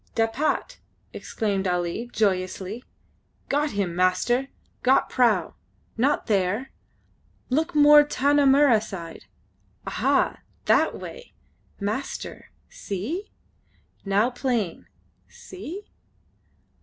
"Dapat!" exclaimed Ali, joyously. "Got him, master! Got prau! Not there! Look more Tanah Mirrah side. Aha! That way! Master, see? Now plain. See?"